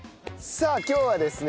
さあ今日はですね